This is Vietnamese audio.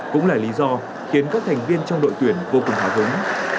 cũng là lý do khiến các thành viên trong đội tuyển vô cùng hào hứng